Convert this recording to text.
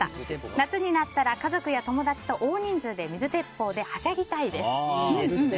夏になったら家族や友達と大人数で水鉄砲ではしゃぎたいです。